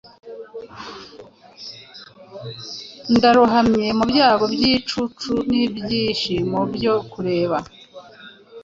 Ndarohamye mubyago byicucu nibyishimo byo kureba.